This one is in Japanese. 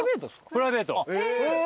プライベート。